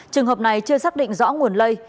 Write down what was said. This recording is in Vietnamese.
trường hợp này chưa xác định rõ nguồn lây